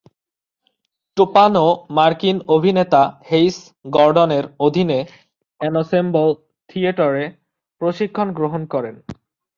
টোপানো মার্কিন অভিনেতা হেইস গর্ডনের অধীনে এনসেম্বল থিয়েটারে প্রশিক্ষণ গ্রহণ করেন।